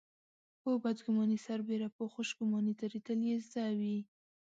په بدګماني سربېره په خوشګماني درېدل يې زده وي.